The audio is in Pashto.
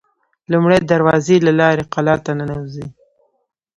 لومړۍ دروازې له لارې قلا ته ننوزي.